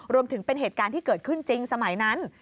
รวมถึงเป็นเหตุการณ์ที่เกิดขึ้นจริงสมัยนั้น